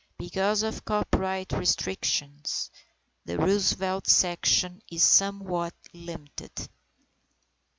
Because of copyright restrictions, the Roosevelt section is somewhat limited.